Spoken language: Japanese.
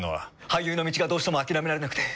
俳優の道がどうしても諦められなくて。